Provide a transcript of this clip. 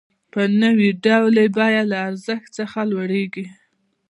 په نوي ډول یې بیه له ارزښت څخه لوړېږي